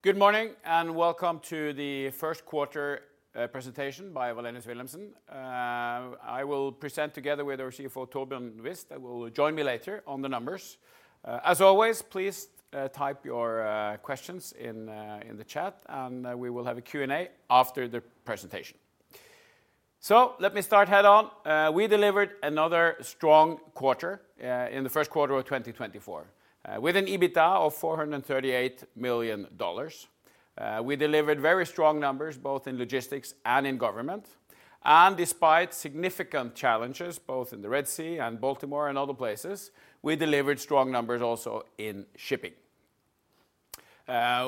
Good morning and welcome to the first quarter presentation by Wallenius Wilhelmsen. I will present together with our CFO Torbjørn Wist who will join me later on the numbers. As always, please type your questions in the chat and we will have a Q&A after the presentation. So let me start head on. We delivered another strong quarter in the first quarter of 2024 with an EBITDA of $438 million. We delivered very strong numbers both in logistics and in government, and despite significant challenges both in the Red Sea and Baltimore and other places, we delivered strong numbers also in shipping.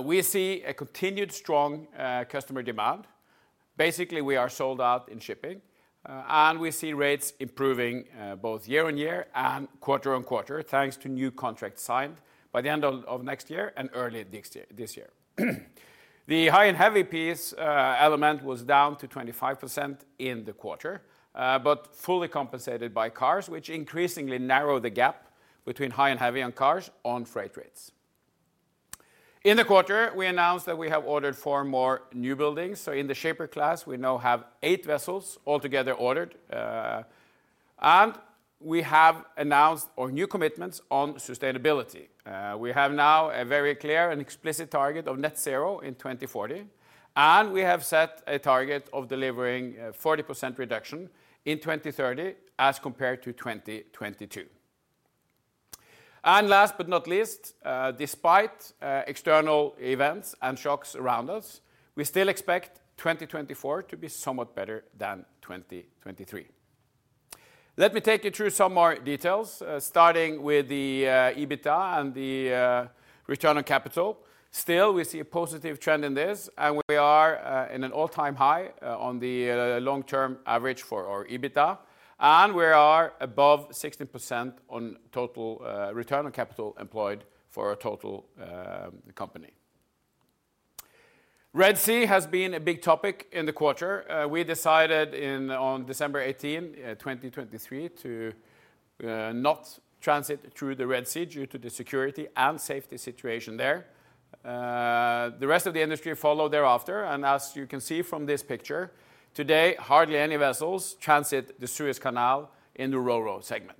We see a continued strong customer demand. Basically, we are sold out in shipping and we see rates improving both year-on-year and quarter-on-quarter thanks to new contracts signed by the end of next year and early this year. The high and heavy piece element was down to 25% in the quarter but fully compensated by cars which increasingly narrow the gap between high and heavy on cars on freight rates. In the quarter, we announced that we have ordered 4 more new buildings. So in the Shaper class, we now have 8 vessels altogether ordered and we have announced new commitments on sustainability. We have now a very clear and explicit target of net zero in 2040 and we have set a target of delivering 40% reduction in 2030 as compared to 2022. And last but not least, despite external events and shocks around us, we still expect 2024 to be somewhat better than 2023. Let me take you through some more details starting with the EBITDA and the return on capital. Still, we see a positive trend in this and we are in an all-time high on the long-term average for our EBITDA and we are above 16% on total return on capital employed for our total company. Red Sea has been a big topic in the quarter. We decided on December 18, 2023, to not transit through the Red Sea due to the security and safety situation there. The rest of the industry followed thereafter and as you can see from this picture, today hardly any vessels transit the Suez Canal in the RORO segment.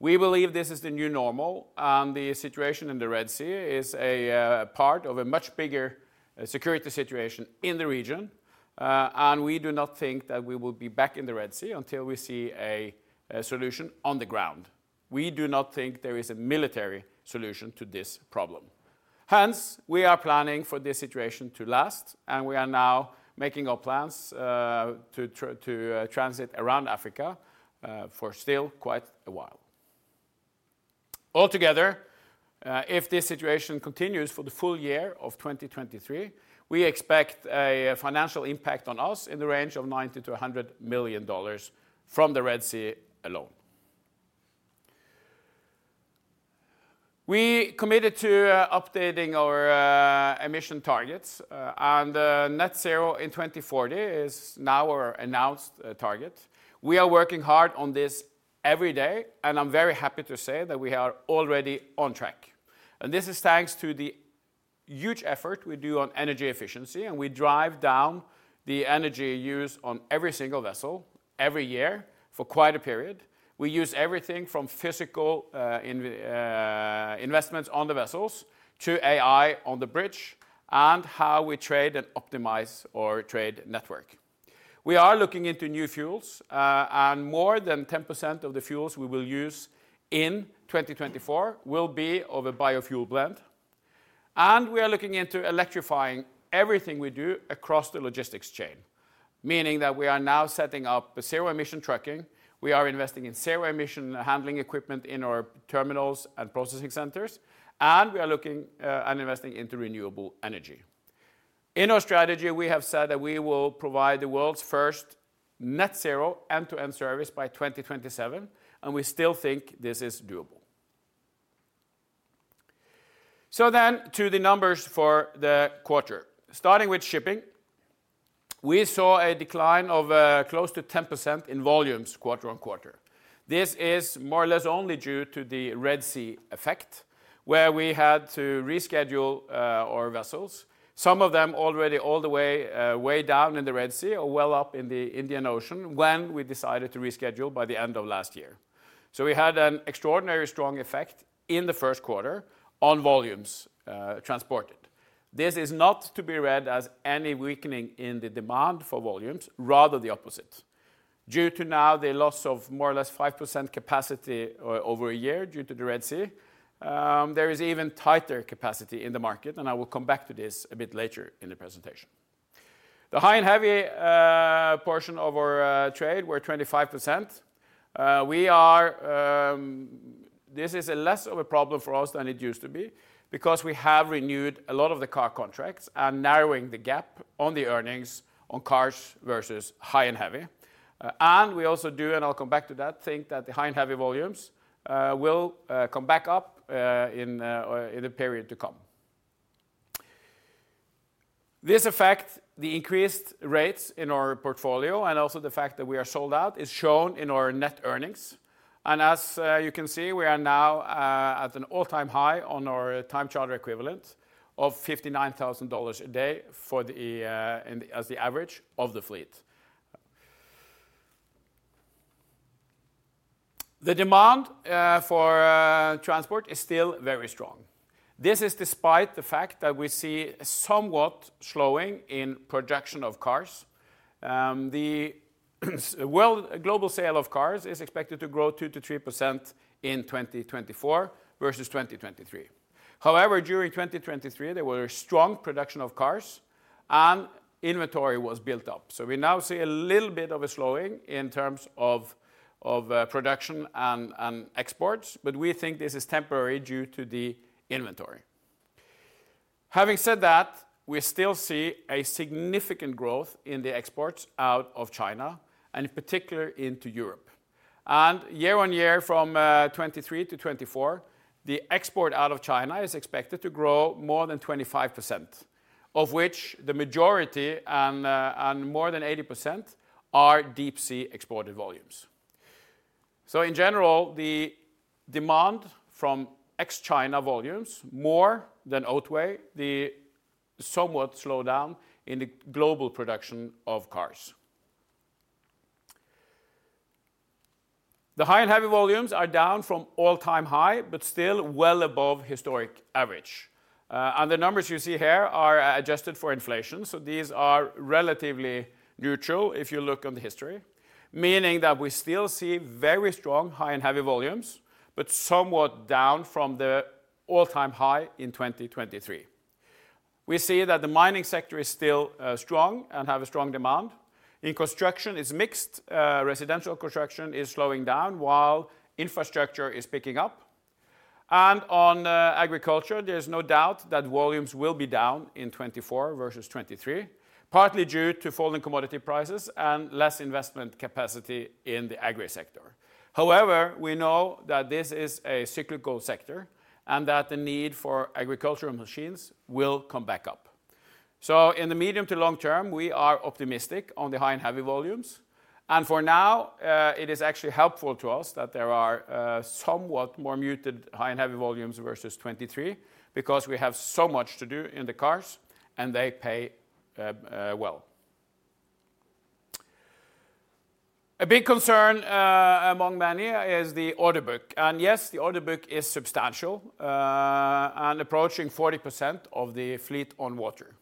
We believe this is the new normal and the situation in the Red Sea is a part of a much bigger security situation in the region and we do not think that we will be back in the Red Sea until we see a solution on the ground. We do not think there is a military solution to this problem. Hence, we are planning for this situation to last and we are now making our plans to transit around Africa for still quite a while. Altogether, if this situation continues for the full year of 2023, we expect a financial impact on us in the range of $90-$100 million from the Red Sea alone. We committed to updating our emission targets and net zero in 2040 is now our announced target. We are working hard on this every day and I'm very happy to say that we are already on track. This is thanks to the huge effort we do on energy efficiency and we drive down the energy use on every single vessel every year for quite a period. We use everything from physical investments on the vessels to AI on the bridge and how we trade and optimize our trade network. We are looking into new fuels and more than 10% of the fuels we will use in 2024 will be of a biofuel blend and we are looking into electrifying everything we do across the logistics chain, meaning that we are now setting up zero emission trucking, we are investing in zero emission handling equipment in our terminals and processing centers, and we are looking and investing into renewable energy. In our strategy, we have said that we will provide the world's first net zero end-to-end service by 2027 and we still think this is doable. So then to the numbers for the quarter. Starting with shipping, we saw a decline of close to 10% in volumes quarter-on-quarter. This is more or less only due to the Red Sea effect where we had to reschedule our vessels, some of them already all the way down in the Red Sea or well up in the Indian Ocean when we decided to reschedule by the end of last year. So we had an extraordinarily strong effect in the first quarter on volumes transported. This is not to be read as any weakening in the demand for volumes, rather the opposite. Due to now the loss of more or less 5% capacity over a year due to the Red Sea, there is even tighter capacity in the market and I will come back to this a bit later in the presentation. The high and heavy portion of our trade were 25%. This is less of a problem for us than it used to be because we have renewed a lot of the car contracts and narrowing the gap on the earnings on cars versus high and heavy. We also do, and I'll come back to that, think that the high and heavy volumes will come back up in the period to come. This effect, the increased rates in our portfolio and also the fact that we are sold out is shown in our net earnings. As you can see, we are now at an all-time high on our Time Charter Equivalent of $59,000 a day for the average of the fleet. The demand for transport is still very strong. This is despite the fact that we see somewhat slowing in production of cars. The global sale of cars is expected to grow 2%-3% in 2024 versus 2023. However, during 2023, there was a strong production of cars and inventory was built up. So we now see a little bit of a slowing in terms of production and exports but we think this is temporary due to the inventory. Having said that, we still see a significant growth in the exports out of China and in particular into Europe. And year on year from 2023 to 2024, the export out of China is expected to grow more than 25%, of which the majority and more than 80% are deep sea exported volumes. So in general, the demand from ex-China volumes more than outweigh somewhat slowed down in the global production of cars. The high and heavy volumes are down from all-time high but still well above historic average. The numbers you see here are adjusted for inflation so these are relatively neutral if you look on the history, meaning that we still see very strong high and heavy volumes but somewhat down from the all-time high in 2023. We see that the mining sector is still strong and have a strong demand. In construction, it's mixed. Residential construction is slowing down while infrastructure is picking up. On agriculture, there is no doubt that volumes will be down in 2024 versus 2023 partly due to falling commodity prices and less investment capacity in the agri-sector. However, we know that this is a cyclical sector and that the need for agricultural machines will come back up. So in the medium to long term, we are optimistic on the high and heavy volumes and for now it is actually helpful to us that there are somewhat more muted high and heavy volumes versus 2023 because we have so much to do in the cars and they pay well. A big concern among many is the order book and yes, the order book is substantial and approaching 40% of the fleet on water.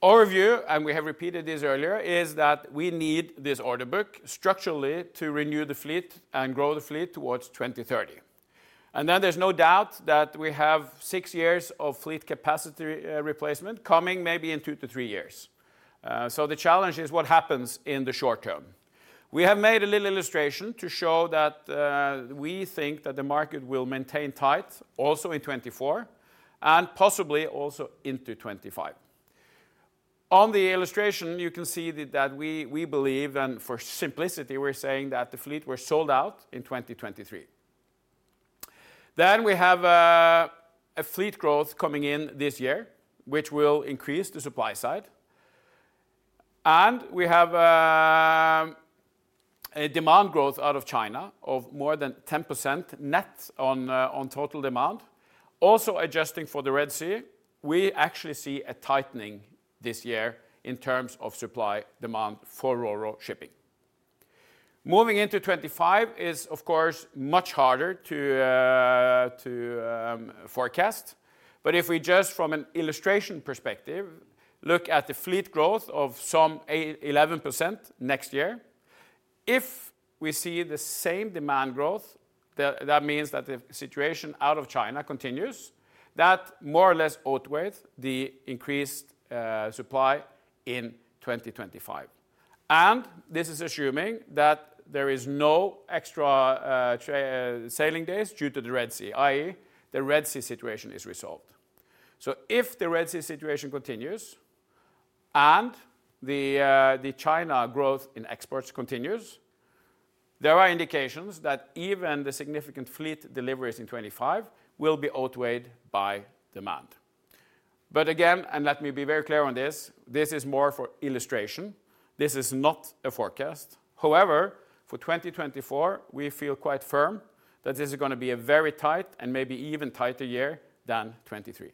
Our view, and we have repeated this earlier, is that we need this order book structurally to renew the fleet and grow the fleet towards 2030. And then there's no doubt that we have six years of fleet capacity replacement coming maybe in two to three years. So the challenge is what happens in the short term. We have made a little illustration to show that we think that the market will maintain tight also in 2024 and possibly also into 2025. On the illustration, you can see that we believe and for simplicity, we're saying that the fleet was sold out in 2023. Then we have a fleet growth coming in this year which will increase the supply side and we have demand growth out of China of more than 10% net on total demand. Also adjusting for the Red Sea, we actually see a tightening this year in terms of supply demand for RoRo shipping. Moving into 2025 is of course much harder to forecast, but if we just from an illustration perspective look at the fleet growth of some 11% next year, if we see the same demand growth, that means that the situation out of China continues that more or less outweighs the increased supply in 2025. And this is assuming that there is no extra sailing days due to the Red Sea, i.e., the Red Sea situation is resolved. So if the Red Sea situation continues and the China growth in exports continues, there are indications that even the significant fleet deliveries in 2025 will be outweighed by demand. But again, and let me be very clear on this, this is more for illustration. This is not a forecast. However, for 2024, we feel quite firm that this is going to be a very tight and maybe even tighter year than 2023.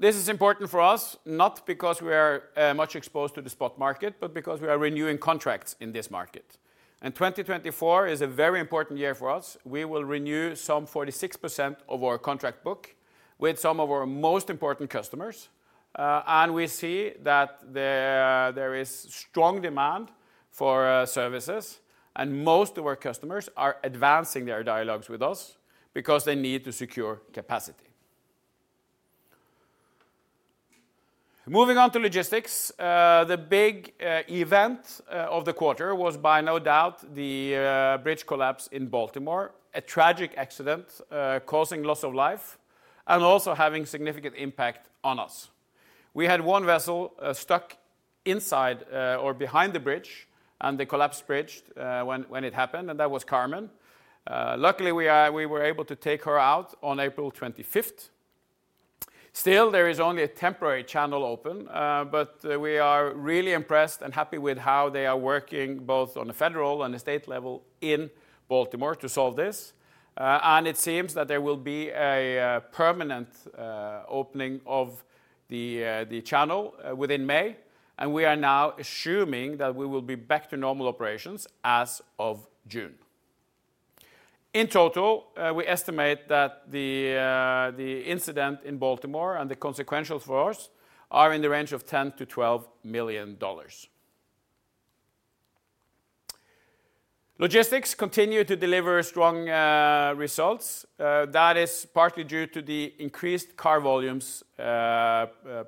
This is important for us not because we are much exposed to the spot market but because we are renewing contracts in this market. 2024 is a very important year for us. We will renew some 46% of our contract book with some of our most important customers and we see that there is strong demand for services and most of our customers are advancing their dialogues with us because they need to secure capacity. Moving on to logistics, the big event of the quarter was without a doubt the bridge collapse in Baltimore, a tragic accident causing loss of life and also having significant impact on us. We had one vessel stuck inside or behind the bridge and the bridge collapsed when it happened and that was Carmen. Luckily, we were able to take her out on April 25th. Still, there is only a temporary channel open but we are really impressed and happy with how they are working both on the federal and the state level in Baltimore to solve this. It seems that there will be a permanent opening of the channel within May and we are now assuming that we will be back to normal operations as of June. In total, we estimate that the incident in Baltimore and the consequentials for us are in the range of $10-$12 million. Logistics continue to deliver strong results. That is partly due to the increased car volumes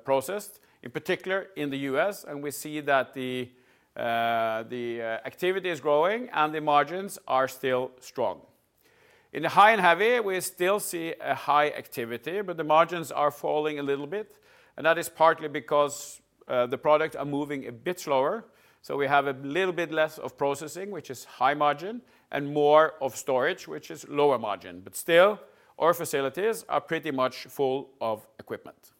processed, in particular in the U.S., and we see that the activity is growing and the margins are still strong. In the high and heavy, we still see a high activity but the margins are falling a little bit and that is partly because the products are moving a little bit slower. So we have a little bit less of processing which is high margin and more of storage which is lower margin but still our facilities are pretty much full of equipment.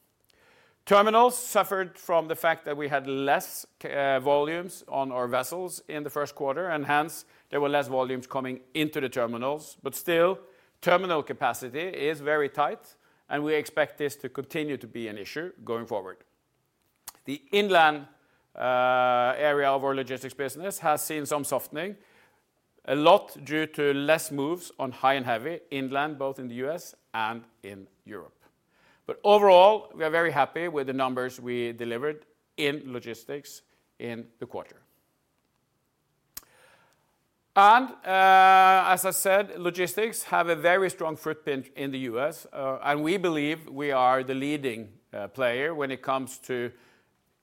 Terminals suffered from the fact that we had less volumes on our vessels in the first quarter and hence there were less volumes coming into the terminals but still terminal capacity is very tight and we expect this to continue to be an issue going forward. The inland area of our logistics business has seen some softening, a lot due to less moves on high and heavy inland both in the U.S. and in Europe. Overall, we are very happy with the numbers we delivered in logistics in the quarter. As I said, logistics have a very strong footprint in the U.S. and we believe we are the leading player when it comes to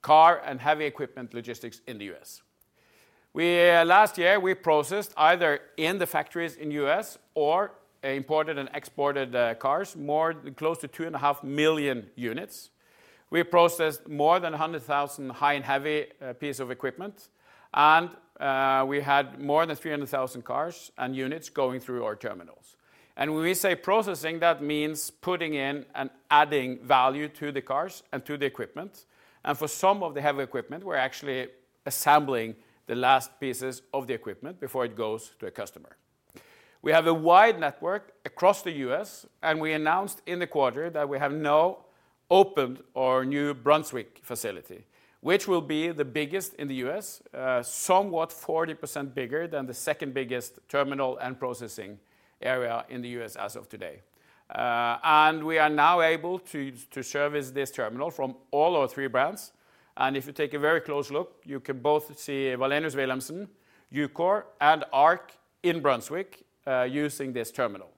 car and heavy equipment logistics in the U.S. Last year, we processed either in the factories in the U.S. or imported and exported cars more close to 2.5 million units. We processed more than 100,000 high and heavy pieces of equipment and we had more than 300,000 cars and units going through our terminals. When we say processing, that means putting in and adding value to the cars and to the equipment. For some of the heavy equipment, we're actually assembling the last pieces of the equipment before it goes to a customer. We have a wide network across the U.S. and we announced in the quarter that we have now opened our new Brunswick facility which will be the biggest in the U.S., somewhat 40% bigger than the second biggest terminal and processing area in the U.S. as of today. We are now able to service this terminal from all our three brands and if you take a very close look, you can both see Wallenius Wilhelmsen EUKOR and ARC in Brunswick using this terminal.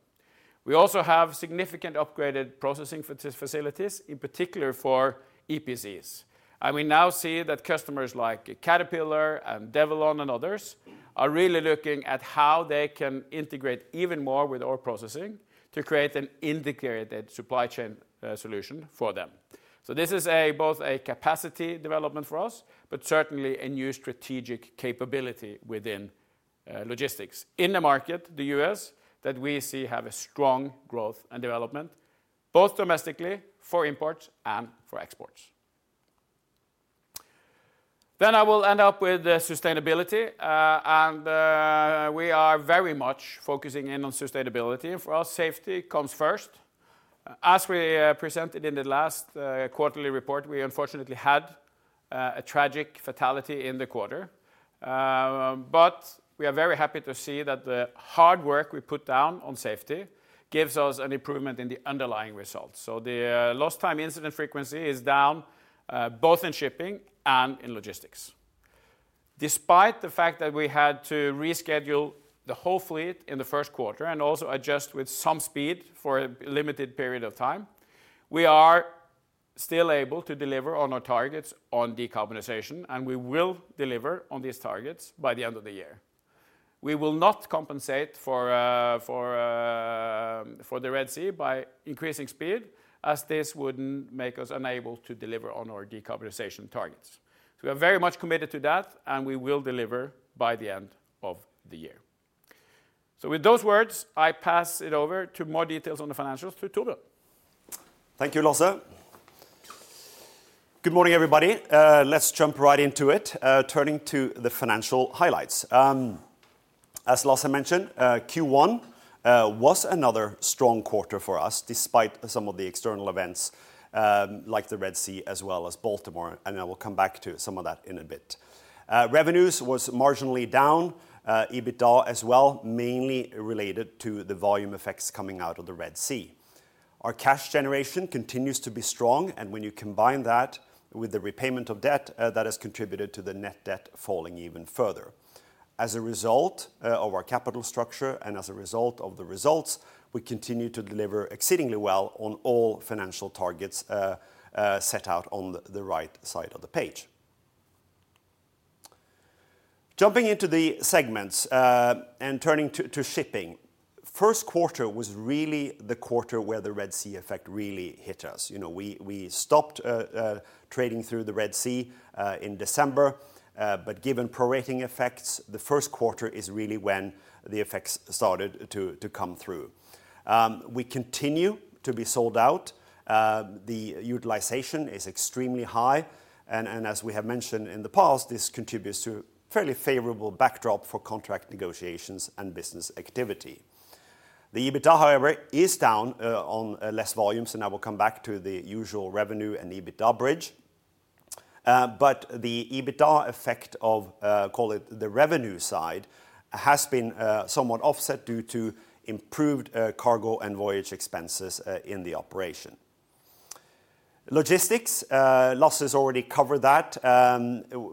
We also have significantly upgraded processing facilities in particular for EPCs. We now see that customers like Caterpillar and Develon and others are really looking at how they can integrate even more with our processing to create an integrated supply chain solution for them. This is both a capacity development for us but certainly a new strategic capability within logistics. In the market, the U.S., that we see have a strong growth and development both domestically for imports and for exports. Then I will end up with sustainability, and we are very much focusing in on sustainability, and for us, safety comes first. As we presented in the last quarterly report, we unfortunately had a tragic fatality in the quarter, but we are very happy to see that the hard work we put down on safety gives us an improvement in the underlying results. So the lost time incident frequency is down both in shipping and in logistics. Despite the fact that we had to reschedule the whole fleet in the first quarter and also adjust with some speed for a limited period of time, we are still able to deliver on our targets on decarbonization, and we will deliver on these targets by the end of the year. We will not compensate for the Red Sea by increasing speed as this wouldn't make us unable to deliver on our decarbonization targets. So we are very much committed to that and we will deliver by the end of the year. So with those words, I pass it over to more details on the financials to Torbjørn. Thank you, Lasse! Good morning everybody, let's jump right into it, turning to the financial highlights. As Lasse mentioned, Q1 was another strong quarter for us despite some of the external events like the Red Sea as well as Baltimore and I will come back to some of that in a bit. Revenues were marginally down, EBITDA as well, mainly related to the volume effects coming out of the Red Sea. Our cash generation continues to be strong and when you combine that with the repayment of debt, that has contributed to the net debt falling even further. As a result of our capital structure and as a result of the results, we continue to deliver exceedingly well on all financial targets set out on the right side of the page. Jumping into the segments and turning to shipping, first quarter was really the quarter where the Red Sea effect really hit us. You know, we stopped trading through the Red Sea in December but given prorating effects, the first quarter is really when the effects started to come through. We continue to be sold out, the utilization is extremely high and as we have mentioned in the past, this contributes to a fairly favorable backdrop for contract negotiations and business activity. The EBITDA, however, is down on less volumes and I will come back to the usual revenue and EBITDA bridge. But the EBITDA effect of, call it the revenue side, has been somewhat offset due to improved cargo and voyage expenses in the operation. Logistics, Lasse has already covered that.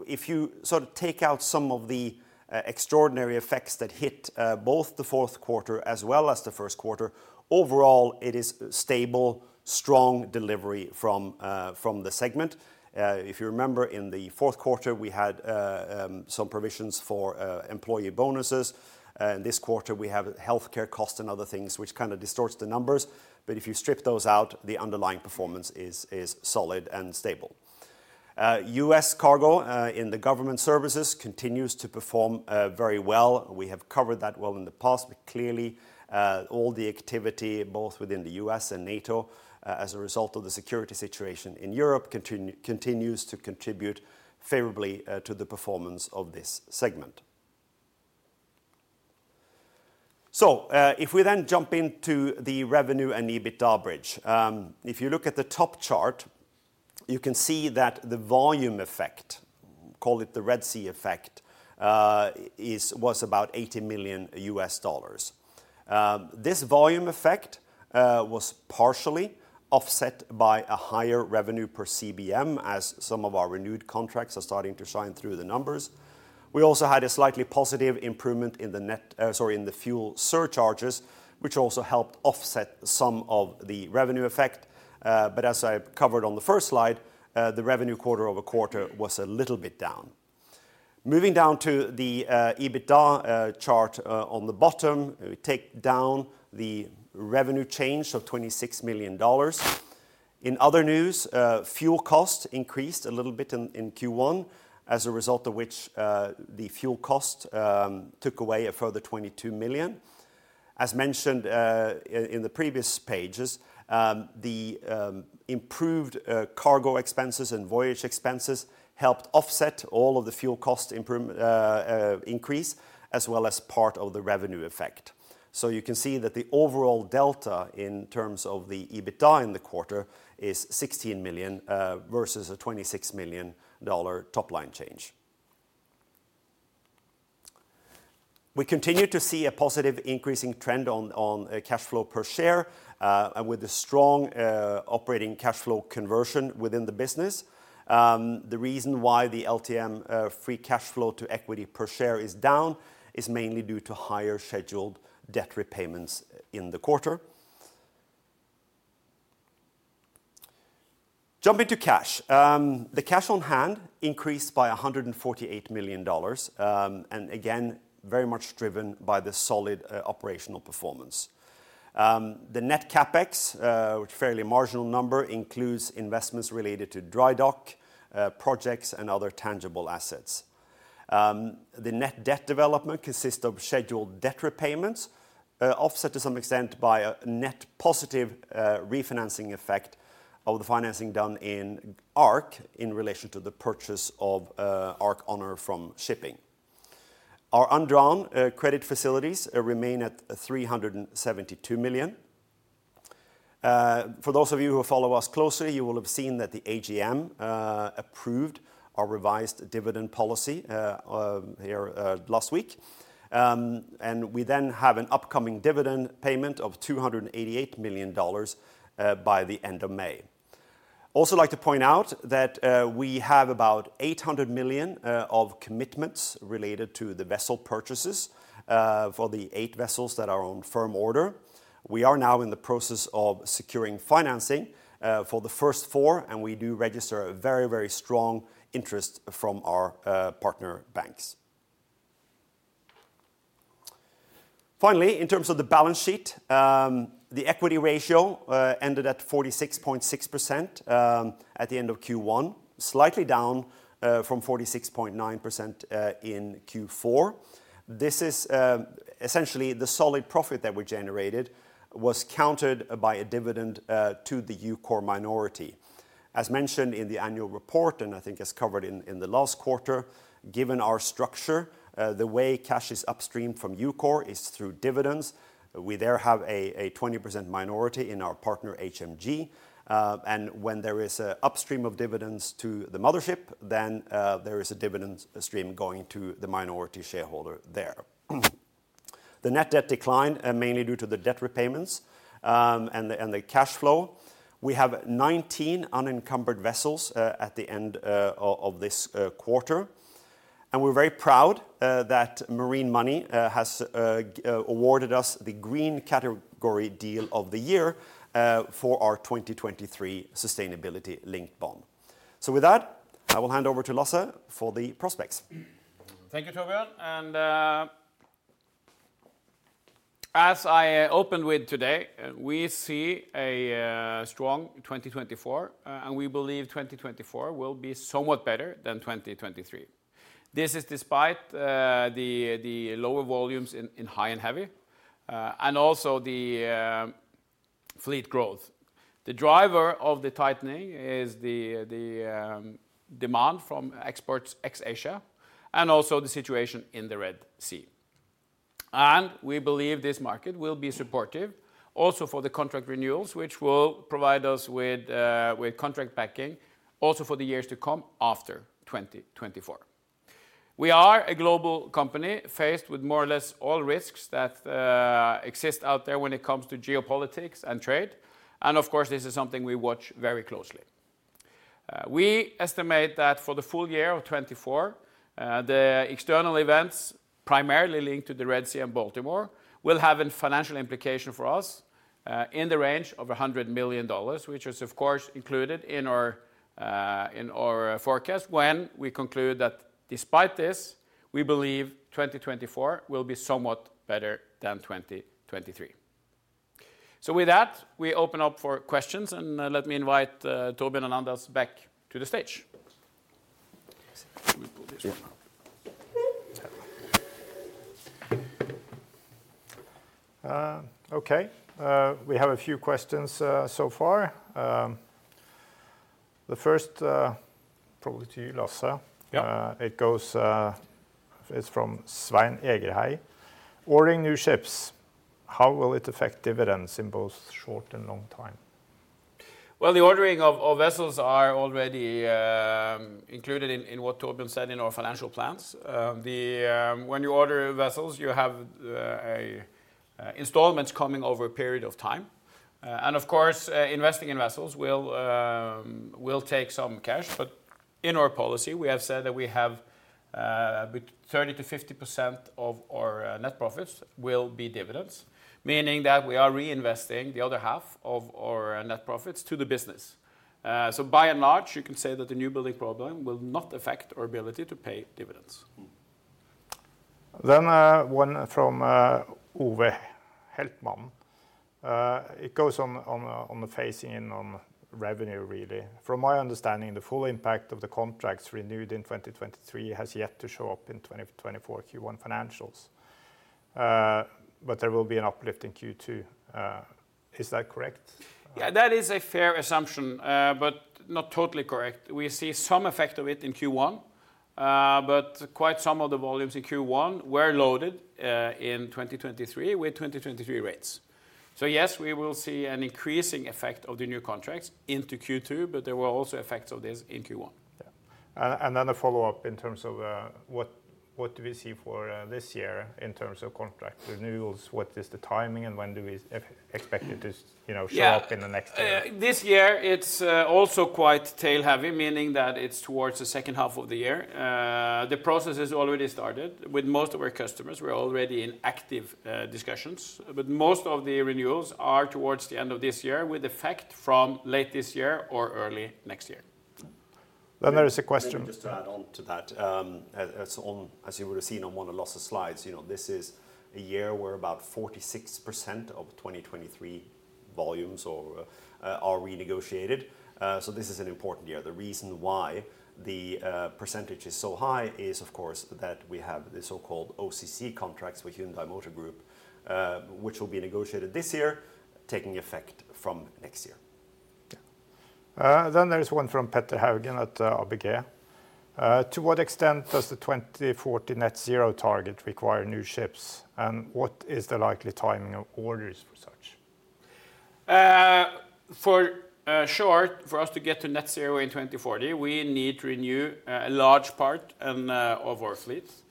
If you sort of take out some of the extraordinary effects that hit both the fourth quarter as well as the first quarter, overall it is stable, strong delivery from the segment. If you remember, in the fourth quarter, we had some provisions for employee bonuses. In this quarter, we have healthcare costs and other things which kind of distort the numbers but if you strip those out, the underlying performance is solid and stable. U.S. cargo in the Government Services continues to perform very well. We have covered that well in the past but clearly all the activity both within the U.S. and NATO as a result of the security situation in Europe continues to contribute favorably to the performance of this segment. If we then jump into the revenue and EBITDA bridge, if you look at the top chart, you can see that the volume effect, call it the Red Sea effect, was about $80 million. This volume effect was partially offset by a higher revenue per CBM as some of our renewed contracts are starting to shine through the numbers. We also had a slightly positive improvement in the net, sorry, in the fuel surcharges which also helped offset some of the revenue effect but as I covered on the first slide, the revenue quarter-over-quarter was a little bit down. Moving down to the EBITDA chart on the bottom, we take down the revenue change of $26 million. In other news, fuel costs increased a little bit in Q1 as a result of which the fuel costs took away a further $22 million. As mentioned in the previous pages, the improved cargo expenses and voyage expenses helped offset all of the fuel cost increase as well as part of the revenue effect. So you can see that the overall delta in terms of the EBITDA in the quarter is $16 million versus a $26 million top-line change. We continue to see a positive increasing trend on cash flow per share and with a strong operating cash flow conversion within the business. The reason why the LTM free cash flow to equity per share is down is mainly due to higher scheduled debt repayments in the quarter. Jumping to cash, the cash on hand increased by $148 million and again, very much driven by the solid operational performance. The net CapEx, which is a fairly marginal number, includes investments related to dry dock, projects, and other tangible assets. The net debt development consists of scheduled debt repayments offset to some extent by a net positive refinancing effect of the financing done in ARC in relation to the purchase of ARC Honor from shipping. Our undrawn credit facilities remain at $372 million. For those of you who follow us closely, you will have seen that the AGM approved our revised dividend policy here last week and we then have an upcoming dividend payment of $288 million by the end of May. Also like to point out that we have about $800 million of commitments related to the vessel purchases for the eight vessels that are on firm order. We are now in the process of securing financing for the first four and we do register a very, very strong interest from our partner banks. Finally, in terms of the balance sheet, the equity ratio ended at 46.6% at the end of Q1, slightly down from 46.9% in Q4. This is essentially the solid profit that we generated was countered by a dividend to the EUKOR minority. As mentioned in the annual report and I think as covered in the last quarter, given our structure, the way cash is upstream from EUKOR is through dividends. We therefore have a 20% minority in our partner HMG and when there is an upstream of dividends to the mothership, then there is a dividend stream going to the minority shareholder there. The net debt decline, mainly due to the debt repayments and the cash flow, we have 19 unencumbered vessels at the end of this quarter and we're very proud that Marine Money has awarded us the Green Category Deal of the Year for our 2023 sustainability-linked bond. So with that, I will hand over to Lasse for the prospects. Thank you, Torbjørn! And as I opened with today, we see a strong 2024 and we believe 2024 will be somewhat better than 2023. This is despite the lower volumes in high and heavy and also the fleet growth. The driver of the tightening is the demand from exports ex-Asia and also the situation in the Red Sea. And we believe this market will be supportive also for the contract renewals which will provide us with contract packing also for the years to come after 2024. We are a global company faced with more or less all risks that exist out there when it comes to geopolitics and trade and of course this is something we watch very closely. We estimate that for the full year of 2024, the external events primarily linked to the Red Sea and Baltimore will have a financial implication for us in the range of $100 million which is of course included in our forecast when we conclude that despite this, we believe 2024 will be somewhat better than 2023. So with that, we open up for questions and let me invite Torbjørn and Anders back to the stage. Let me pull this one up. OK, we have a few questions so far. The first probably to you, Lasse. It goes, it's from Svein Egerhei. Ordering new ships, how will it affect dividends in both short and long time? Well, the ordering of vessels are already included in what Torbjørn said in our financial plans. When you order vessels, you have installments coming over a period of time and of course investing in vessels will take some cash but in our policy, we have said that we have 30%-50% of our net profits will be dividends, meaning that we are reinvesting the other half of our net profits to the business. So by and large, you can say that the newbuilding program will not affect our ability to pay dividends. Then one from Ove Heltman. It goes on the phasing in on revenue really. From my understanding, the full impact of the contracts renewed in 2023 has yet to show up in 2024 Q1 financials, but there will be an uplift in Q2. Is that correct? Yeah, that is a fair assumption but not totally correct. We see some effect of it in Q1 but quite some of the volumes in Q1 were loaded in 2023 with 2023 rates. So yes, we will see an increasing effect of the new contracts into Q2 but there were also effects of this in Q1. Yeah, and then a follow-up in terms of what do we see for this year in terms of contract renewals? What is the timing and when do we expect it to show up in the next year? This year, it's also quite tail-heavy, meaning that it's towards the second half of the year. The process has already started with most of our customers. We're already in active discussions but most of the renewals are towards the end of this year with effect from late this year or early next year. Then there is a question. Just to add on to that, as you would have seen on one of Lasse's slides, you know, this is a year where about 46% of 2023 volumes are renegotiated. So this is an important year. The reason why the percentage is so high is of course that we have the so-called OCC contracts with Hyundai Motor Group which will be negotiated this year, taking effect from next year. Yeah, then there is one from Petter Haugen at ABG. To what extent does the 2040 net-zero target require new ships and what is the likely timing of orders for such? For sure, for us to get to net-zero in 2040, we need to renew a large part of our fleets.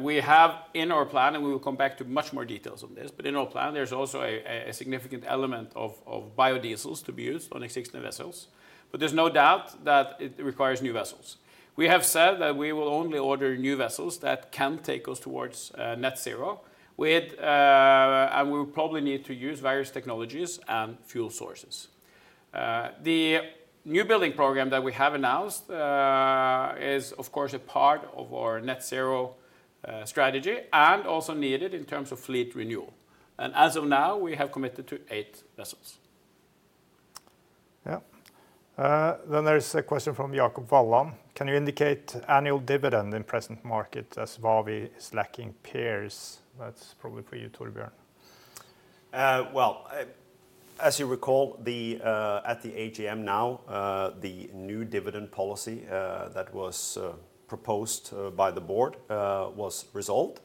We have in our plan, and we will come back to much more details on this, but in our plan, there's also a significant element of biodiesels to be used on existing vessels. But there's no doubt that it requires new vessels. We have said that we will only order new vessels that can take us towards net-zero and we will probably need to use various technologies and fuel sources. The new building program that we have announced is of course a part of our net-zero strategy and also needed in terms of fleet renewal. As of now, we have committed to eight vessels. Yeah, then there is a question from Jakob Walland. Can you indicate annual dividend in present market as WAVI is lacking peers? That's probably for you, Torbjørn. Well, as you recall, at the AGM now, the new dividend policy that was proposed by the board was resolved.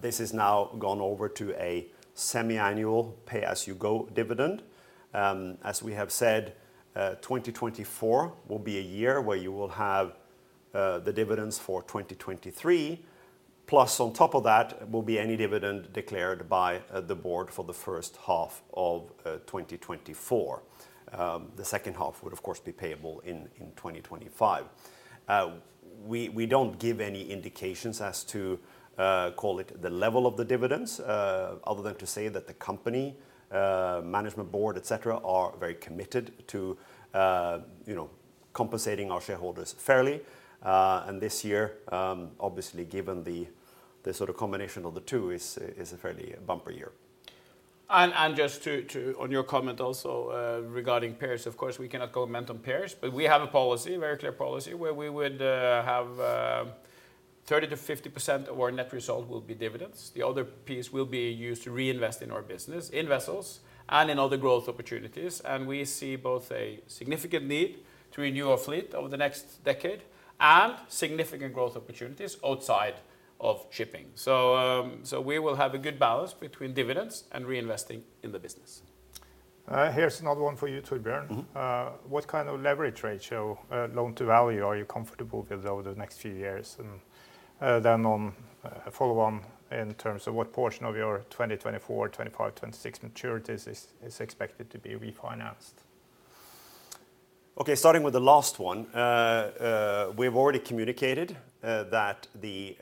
This is now gone over to a semi-annual pay-as-you-go dividend. As we have said, 2024 will be a year where you will have the dividends for 2023 plus on top of that will be any dividend declared by the board for the first half of 2024. The second half would of course be payable in 2025. We don't give any indications as to, call it, the level of the dividends other than to say that the company, management board, etc., are very committed to, you know, compensating our shareholders fairly and this year, obviously, given the sort of combination of the two, is a fairly bumper year. Just on your comment also regarding peers, of course we cannot comment on peers but we have a policy, very clear policy, where we would have 30%-50% of our net result will be dividends. The other piece will be used to reinvest in our business, in vessels, and in other growth opportunities and we see both a significant need to renew our fleet over the next decade and significant growth opportunities outside of shipping. So we will have a good balance between dividends and reinvesting in the business. Here's another one for you, Torbjørn. What kind of leverage ratio loan-to-value are you comfortable with over the next few years? And then on a follow-on in terms of what portion of your 2024, 2025, 2026 maturities is expected to be refinanced? OK, starting with the last one, we've already communicated that the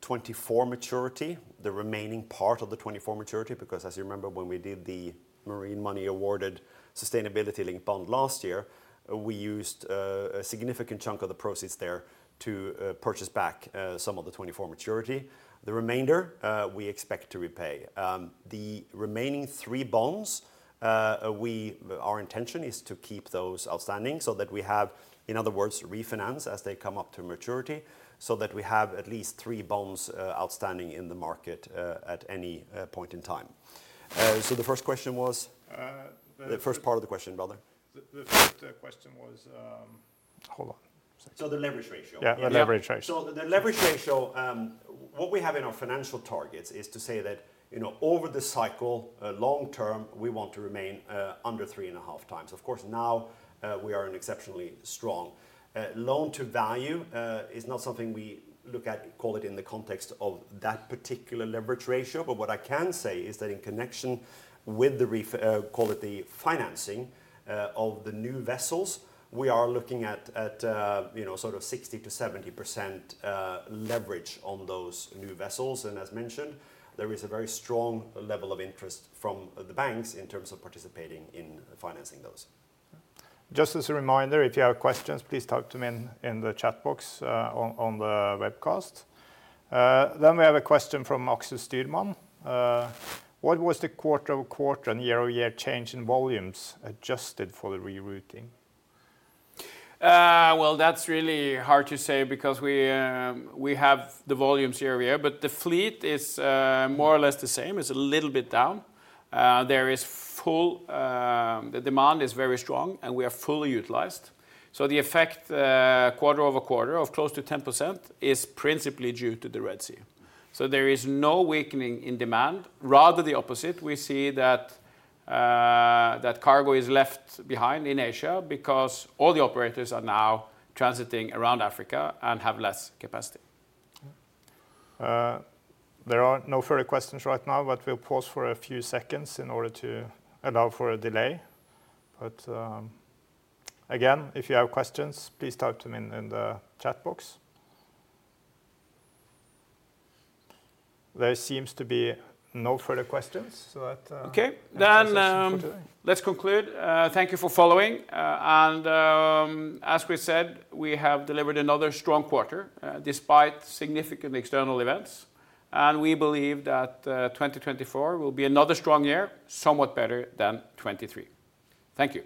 2024 maturity, the remaining part of the 2024 maturity, because as you remember when we did the Marine Money awarded sustainability-linked bond last year, we used a significant chunk of the proceeds there to purchase back some of the 2024 maturity. The remainder, we expect to repay. The remaining three bonds, our intention is to keep those outstanding so that we have, in other words, refinance as they come up to maturity so that we have at least three bonds outstanding in the market at any point in time. So the first question was, the first part of the question, rather. The first question was. Hold on. The leverage ratio. Yeah, the leverage ratio. So the leverage ratio, what we have in our financial targets is to say that, you know, over the cycle, long term, we want to remain under 3.5 times. Of course now we are an exceptionally strong. Loan-to-value is not something we look at, call it, in the context of that particular leverage ratio but what I can say is that in connection with the, call it, the financing of the new vessels, we are looking at, you know, sort of 60%-70% leverage on those new vessels and as mentioned, there is a very strong level of interest from the banks in terms of participating in financing those. Just as a reminder, if you have questions, please type them in the chat box on the webcast. We have a question from Axel Styrman. What was the quarter-over-quarter, year-over-year, change in volumes adjusted for the rerouting? Well, that's really hard to say because we have the volumes year-over-year but the fleet is more or less the same, it's a little bit down. There is full, the demand is very strong and we are fully utilized. So the effect quarter-over-quarter of close to 10% is principally due to the Red Sea. So there is no weakening in demand. Rather the opposite, we see that cargo is left behind in Asia because all the operators are now transiting around Africa and have less capacity. There are no further questions right now, but we'll pause for a few seconds in order to allow for a delay, but again, if you have questions, please type them in the chat box. There seems to be no further questions, so that. OK, then let's conclude. Thank you for following and as we said, we have delivered another strong quarter despite significant external events and we believe that 2024 will be another strong year, somewhat better than 2023. Thank you.